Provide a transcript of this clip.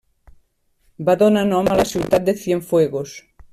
Va donar nom a la ciutat de Cienfuegos.